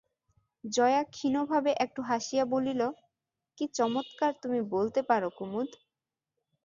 জয়া ক্ষীণভাবে একটু হাসিয়া বলিল, কী চমৎকার তুমি বলতে পারো কুমুদ।